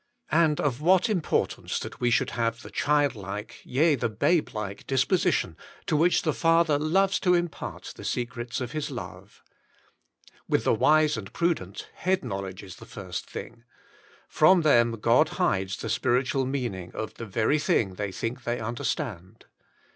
And of what importance that we should have the child like, yea the babe like dispo sition to which the Father loves to impart the secrets of His love. With the wise and prudent head knowledge is the first thing ; from them God hides the spiritual meaning of the Very Thing They Think They Understand.